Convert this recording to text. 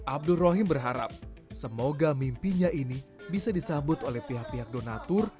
abdul rohim berharap semoga mimpinya ini bisa disambut oleh pihak pihak donatur